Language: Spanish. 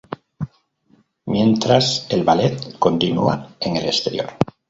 Mientras el Ballet continua en el exterior.